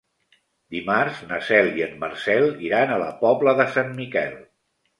Dimarts na Cel i en Marcel iran a la Pobla de Sant Miquel.